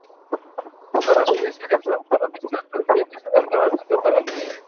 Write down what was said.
কিন্তু তাঁরা বিদেশের এসব ভালো দৃষ্টান্ত নিজের দেশে বাস্তবায়ন করতে পারেননি।